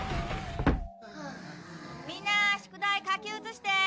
みんな宿題書き写して。